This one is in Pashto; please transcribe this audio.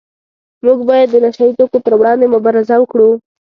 موږ باید د نشه یي توکو پروړاندې مبارزه وکړو